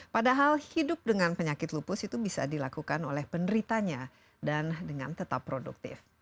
padahal hidup dengan penyakit lupus itu bisa dilakukan oleh penderitanya dan dengan tetap produktif